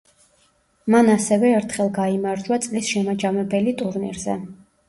მან ასევე ერთხელ გაიმარჯვა წლის შემაჯამებელი ტურნირზე.